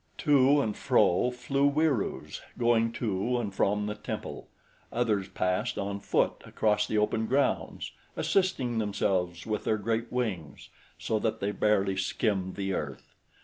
To and fro flew Wieroos, going to and from the temple. Others passed on foot across the open grounds, assisting themselves with their great wings, so that they barely skimmed the earth.